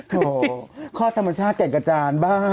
โถ่ข้อธรรมชาติแก่งกระจานบ้า